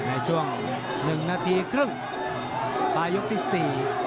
ในช่วง๑นาทีครึ่งปลายุคที่๔